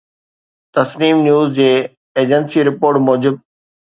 Tasneem News Agency جي رپورٽ موجب